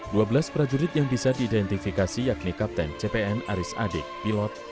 dua belas prajurit yang bisa diidentifikasi yakni kapten cpn aris adik pilot